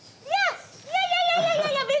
いやいやいやいやいや。